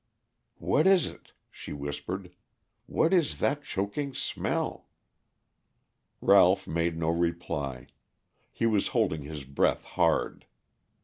"What is it?" she whispered. "What is that choking smell?" Ralph made no reply; he was holding his breath hard.